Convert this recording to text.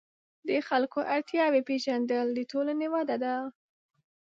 د خلکو اړتیاوې پېژندل د ټولنې وده ده.